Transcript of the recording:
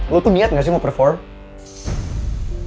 lu tuh niat gak sih mau perform